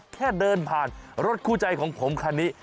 แค่เดินผ่านรถคู่ใจของผมคันนี้